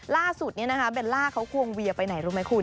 ล่าสุดเบลล่าเขาควงเวียไปไหนรู้ไหมคุณ